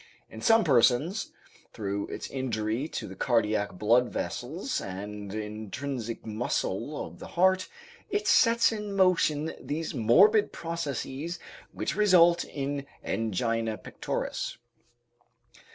In some persons, through its injury to the cardiac blood vessels and intrinsic muscle of the heart, it sets in motion those morbid processes which result in angina pectoris.